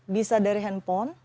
bisa dari handphone